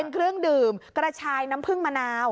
เครื่องดื่มกระชายน้ำผึ้งมะนาว